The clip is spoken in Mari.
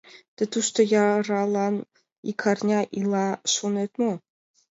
Тый тушто яралан ик арня ила, шонет мо?